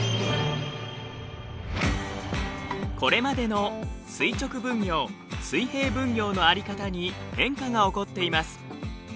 これまでの垂直分業水平分業の在り方に変化が起こっています。